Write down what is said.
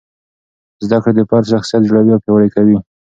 زده کړه د فرد شخصیت جوړوي او پیاوړی کوي.